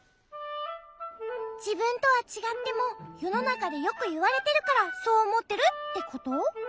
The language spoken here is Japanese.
じぶんとはちがってもよのなかでよくいわれてるからそうおもってるってこと？